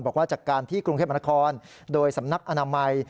บอกว่าจากการที่กรุงเทพมนครโดยสำนักอนามัย